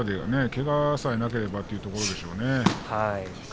けがさえなければというところでしょうね。